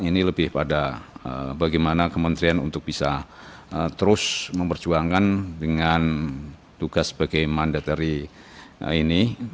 ini lebih pada bagaimana kementerian untuk bisa terus memperjuangkan dengan tugas sebagai mandat dari ini